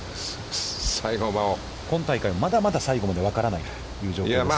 今大会、まだまだ最後まで分からないという状況です。